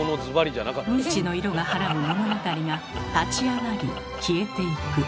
うんちの色がはらむ物語が立ち上がり消えていく。